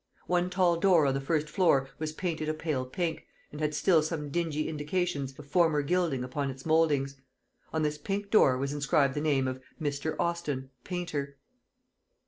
One tall door on the first floor was painted a pale pink, and had still some dingy indications of former gilding upon its mouldings. On this pink door was inscribed the name of Mr. Austin, Painter.